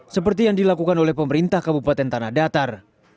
seperti yang dilakukan oleh pemerintah kabupaten tanah datar